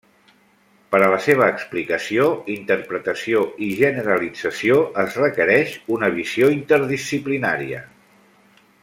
Per a la seva explicació, interpretació i generalització es requereix una visió interdisciplinària.